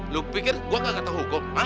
lu pikir gue gak tahu hukum